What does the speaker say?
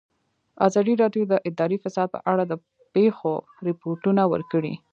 ازادي راډیو د اداري فساد په اړه د پېښو رپوټونه ورکړي.